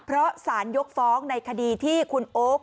เพราะสารยกฟ้องในคดีที่คุณโอ๊ค